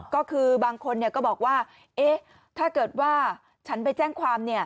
ก็คือบางคนก็บอกว่าถ้าเกิดว่าฉันไปแจ้งความ